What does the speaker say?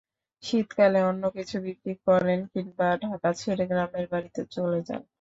শীতকালে অন্য কিছু বিক্রি করেন কিংবা ঢাকা ছেড়ে গ্রামের বাড়িতে চলে যান।